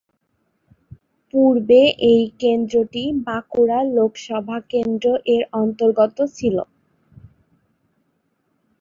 পূর্বে এই কেন্দ্রটি বাঁকুড়া লোকসভা কেন্দ্র এর অন্তর্গত ছিল।